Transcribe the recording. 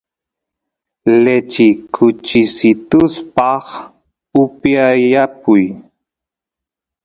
lechi kuchisituspaq upiyapuy